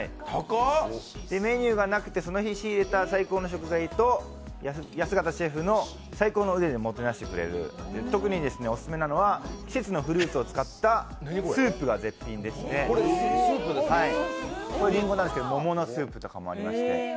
メニューがなくてその日仕入れた最高の食材と安形シェフの最高の腕でもてなしてくれる、特にオススメなのは季節のフルーツを使ったスープが絶品でして、これりんごなんですけど桃のスープとかもありまして。